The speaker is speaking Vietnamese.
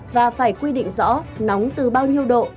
và phải quy định rõ nóng từ bao nhiêu độ